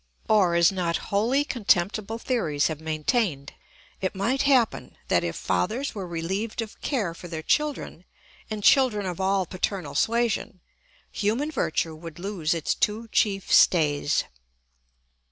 Or, as not wholly contemptible theories have maintained, it might happen that if fathers were relieved of care for their children and children of all paternal suasion, human virtue would lose its two chief stays.